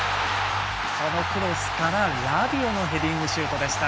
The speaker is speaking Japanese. クロスからラビオのヘディングシュートでした。